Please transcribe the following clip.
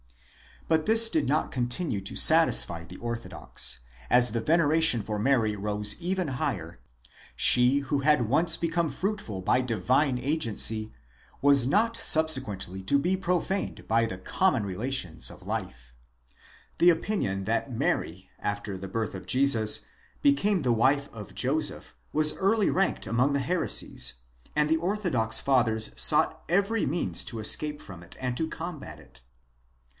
But this did not continue to satisfy the orthodox ; as the veneration for Mary rose even higher, she who had once become fruitful by divine agency was not subsequently to be profaned by the common relations of life3 The opinion that Mary after the birth of Jesus became the wife of Joseph, was early ranked among the heresies,* and the orthodox Fathers sought every means to escape from it and to combat it.